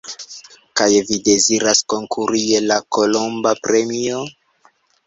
Kaj vi deziras konkuri je la kolomba premio?